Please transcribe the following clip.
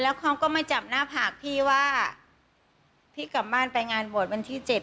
เขาก็มาจับหน้าผากพี่ว่าพี่กลับบ้านไปงานบวชวันที่๗